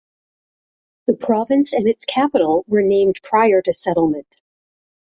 The province and its capital were named prior to settlement.